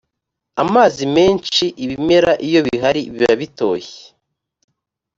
amazi menshi ibimera iyo bihari biba bitoshye.